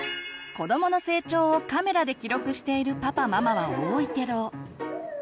子どもの成長をカメラで記録しているパパママは多いけど。